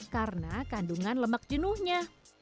karena kandungan lemak jenuhnya